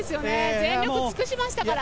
全力を尽くしましたから。